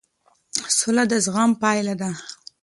سوله د زغم پایله ده